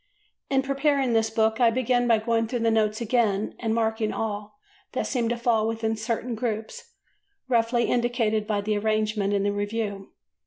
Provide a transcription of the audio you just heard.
In preparing this book I began by going through the notes again and marking all that seemed to fall within certain groups roughly indicated by the arrangement in the review.